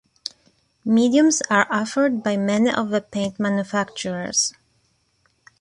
Mediums are offered by many of the paint manufacturers.